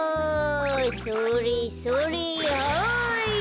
それそれはい！